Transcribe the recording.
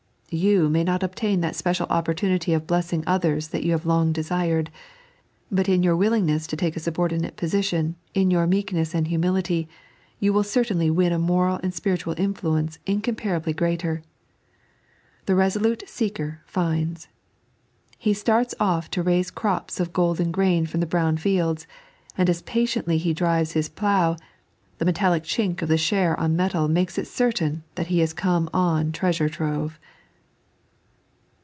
You may not obtain that special opportunity of blessing others that you have long desired ; but in your willingness to take a subordinate position, in your meekness and humility, you will certainly win a moral and spiritual influence incomparably greater. The resolute seeker finds. He starts off to raise crops of golden grain from the brown fields, and as patiently he drives his plough, the metallic chink of the share on metAl makes it certain that he has come on treasure troye.